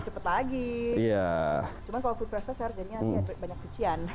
cuma kalau food processor jadinya banyak kecian